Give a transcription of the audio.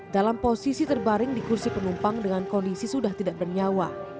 dalam posisi terbaring di kursi penumpang dengan kondisi sudah tidak bernyawa